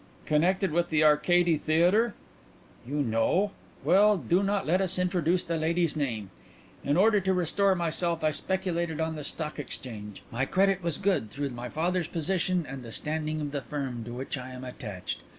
"Connected with the Arcady Theatre?" "You know? Well, do not let us introduce the lady's name. In order to restore myself I speculated on the Stock Exchange. My credit was good through my father's position and the standing of the firm to which I am attached.